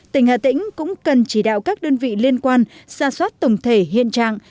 tỉnh hà tĩnh cũng cần chỉ đạo các đơn vị liên quan xa xoát tổng thể hiện trạng